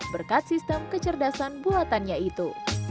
berkat sistem kecerdasan buatannya itu